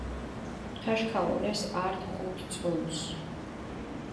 თაშ ქაჸუნეს ართ ხუთ წუნს.